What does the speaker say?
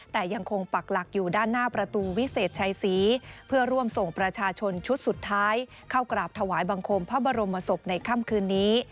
แต่ยังคงปักหลักอยู่ด้านหน้าประตูวิเศษชัยศรีเพื่อร่วมส่งประชาชนชุดสุดท้ายเข้ากราบถวายบังคมพระบรมศพในค่ำคืนนี้